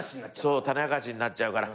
そう種明かしになっちゃうから。